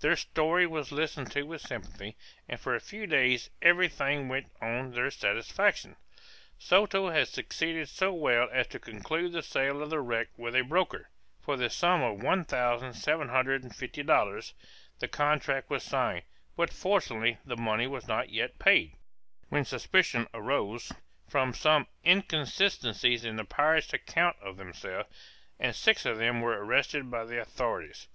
Their story was listened to with sympathy, and for a few days every thing went on to their satisfaction. Soto had succeeded so well as to conclude the sale of the wreck with a broker, for the sum of one thousand seven hundred and fifty dollars; the contract was signed, but fortunately the money was not yet paid, when suspicion arose, from some inconsistencies in the pirates' account of themselves, and six of them were arrested by the authorities.